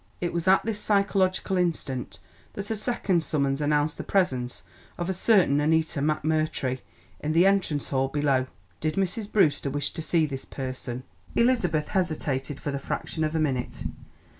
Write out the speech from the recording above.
It was at this psychological instant that a second summons announced the presence of a certain Annita McMurtry in the entrance hall below. "Did Mrs. Brewster wish to see this person?" Elizabeth hesitated for the fraction of a minute.